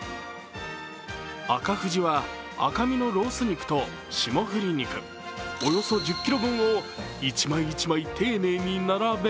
赤富士は赤身のロース肉と霜降り肉、およそ１０ｋｇ分を１枚１枚丁寧に並べ